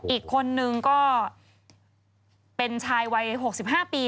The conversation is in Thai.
อีกคนนึงก็เป็นชายวัย๖๕ปี